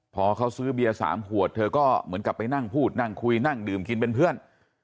พอเขาซื้อเบียร์๓ขวดเธอก็เหมือนกับไปนั่งพูดนั่งคุยนั่งดื่มกินเป็นเพื่อน